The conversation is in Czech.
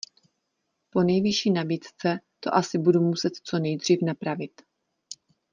Po Nejvyšší nabídce to asi budu muset co nejdřív napravit.